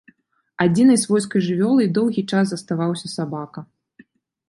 Адзінай свойскай жывёлай доўгі час заставаўся сабака.